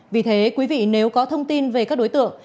vì thế quý vị nếu có thông tin về các đối tượng